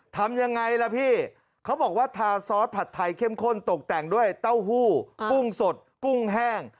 ทำยังไงล่ะพี่เขาบอกว่าทาซอสผัดไทยเข้มข้นตกแต่งด้วยเต้าหู้กุ้งสดกุ้งแห้ง